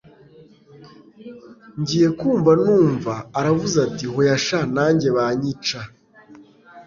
ngiye kumva numva aravuze ati hoya sha, nanjye banyica